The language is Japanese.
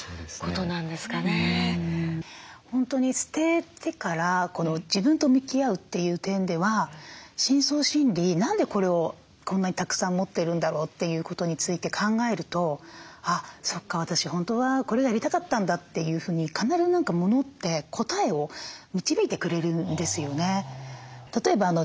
本当に捨ててから自分と向き合うという点では深層心理何でこれをこんなにたくさん持っているんだろうということについて考えると「あっそっか私本当はこれやりたかったんだ」というふうに必ずモノって答えを導いてくれるんですよね。